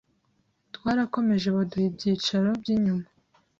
Twarakomeje baduha ibyicaro by’inyuma